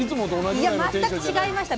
いや全く違いました。